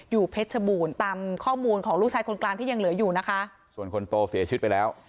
เพชรชบูรณ์ตามข้อมูลของลูกชายคนกลางที่ยังเหลืออยู่นะคะส่วนคนโตเสียชีวิตไปแล้ว